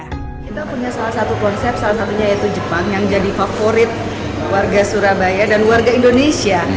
kita punya salah satu konsep salah satunya yaitu jepang yang jadi favorit warga surabaya dan warga indonesia